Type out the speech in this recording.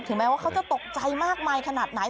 แม้ว่าเขาจะตกใจมากมายขนาดไหน